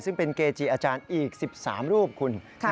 ซึ่งเป็นเกจิอาจารย์อีก๑๓รูปคุณ